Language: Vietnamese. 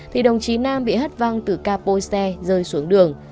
thì đồng chí nam bị hất văng từ capo xe rơi xuống đường